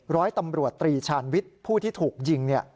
ร้อยตำรวจตรีชาญวิทย์ผู้ที่ถูกยิง